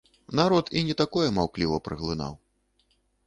Народ і не такое маўкліва праглынаў.